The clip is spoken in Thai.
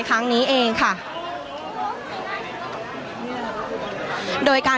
สวัสดีครับทุกคน